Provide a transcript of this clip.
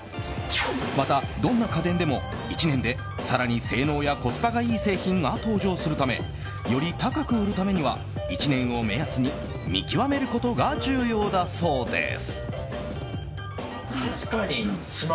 また、どんな家電でも１年で更に性能やコスパがいい製品が登場するためより高く売るためには１年を目安に見極めることが重要だそうです。